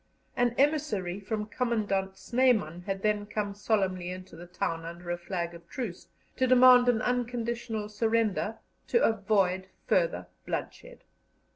An emissary from Commandant Snyman had then come solemnly into the town under a flag of truce, to demand an unconditional surrender "to avoid further bloodshed."